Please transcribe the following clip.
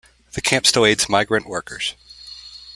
The camp still aids migrant workers.